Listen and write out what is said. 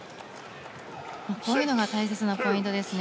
こういうのが大切なポイントですね。